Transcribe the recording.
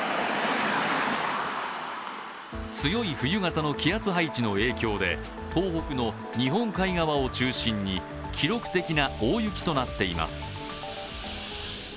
強い冬型の気圧配置の影響で東北の日本海側を中心に記録的な大雪となっています。